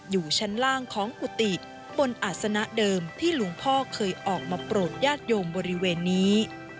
อยู่ชั้นล่างของกุฏิบนอาศนะเดิมที่หลวงพ่อเคยออกมาโปรดญาติโยมบริเวณนี้